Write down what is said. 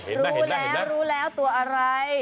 เห็นมั้ยรู้แล้วรู้แล้วตัวอะไร